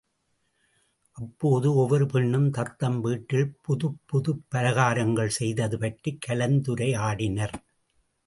அப்போது, ஒவ்வொரு பெண்ணும் தத்தம் வீட்டில் புதுப் புதுப் பலகாரங்கள் செய்தது பற்றிக் கலந்துரையாடினர்.